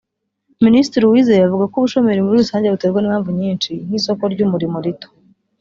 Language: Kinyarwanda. Minisitiri Uwizeye avuga ko ubushomeri muri rusange buterwa n’impamvu nyinshi nk’isoko ry’umurimo rito